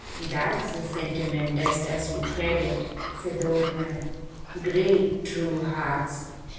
"That's a sentiment as does you credit," said the old man. "Great true hearts!